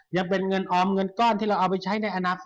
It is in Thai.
อย่างเมื่อกี้เพราะว่าเริ่มจัดสรรครับ